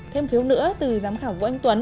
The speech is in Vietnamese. thêm phiếu nữa từ giám khảo vũ anh tuấn